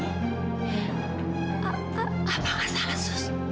apa apa apa kan salah sus